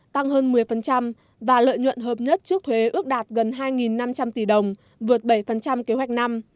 tăng hơn một mươi và lợi nhuận hợp nhất trước thuế ước đạt gần hai năm trăm linh tỷ đồng vượt bảy kế hoạch năm